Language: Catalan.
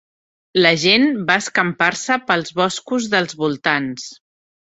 La gent va escampar-se pels boscos dels voltants.